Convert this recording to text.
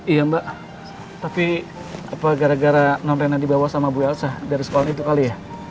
iya mbak tapi apa gara gara nonren yang dibawa sama bu elsa dari sekolah itu kali ya